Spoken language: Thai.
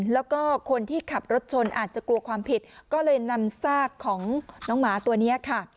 แล้วก็คนที่ขับรถชนอาจจะกลัวความผิดก็เลยนำซากของน้องหมาตัวนี้ค่ะ